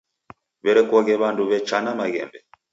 W'erekoghe w'andu w'echana maghembe.